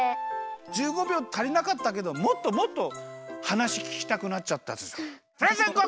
１５びょうたりなかったけどもっともっとはなしききたくなっちゃった。